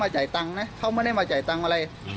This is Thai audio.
เจ๊ลองนึกดีลวบ